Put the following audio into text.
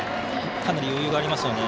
かなり余裕がありますよね。